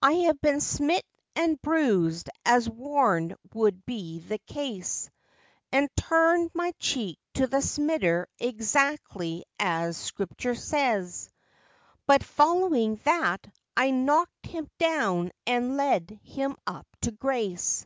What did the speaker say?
I have been smit an' bruisèd, as warned would be the case, An' turned my cheek to the smiter exactly as Scripture says; But following that, I knocked him down an' led him up to Grace.